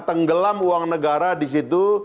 tenggelam uang negara di situ